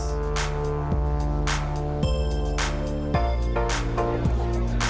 kota yang berbeda dengan kafe ini menunjukkan keamanan yang sangat baik